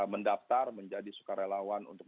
mendaftar menjadi sukarelawan untuk